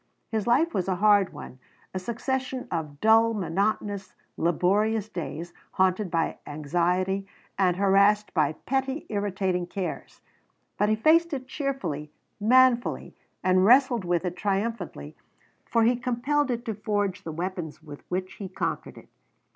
His life was a hard one, a succession of dull, monotonous, laborious days, haunted by anxiety and harassed by petty, irritating cares, but he faced it cheerfully, manfully, and wrestled with it triumphantly, for he compelled it to forge the weapons with which he conquered it.